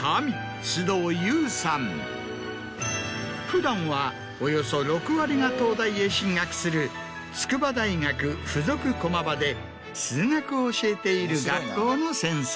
普段はおよそ６割が東大へ進学する筑波大学附属駒場で数学を教えている学校の先生。